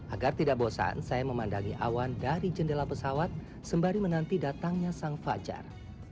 agar tidak bosan saya memandangi awan dari jendela pesawat sembari menanti datangnya sang fajar